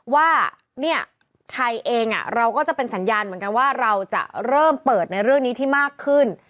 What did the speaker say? ว่าเนี่ยไทยเองเราก็จะเป็นสัญญาณเหมือนกันว่าเราจะเริ่มเปิดในเรื่องนี้ที่มากขึ้น